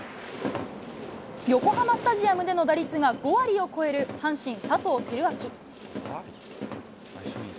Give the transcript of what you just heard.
横浜スタジアムでの打率が５割を超える阪神、佐藤輝明。